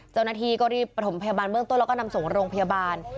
เจ้าหน้าที่ก็รีบประถมพยาบาลเบื้องต้นแล้วก็นำส่งโรงพยาบาล